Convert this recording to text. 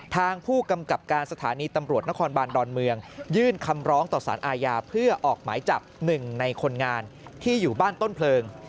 ทางผู้กำกับการสถานีตำรวจนครบานดอนเมืองยื่นคำร้องต่อสารอาญาเพื่อออกหมายจับหนึ่งในคนงานที่อยู่บ้านต้นเพลิง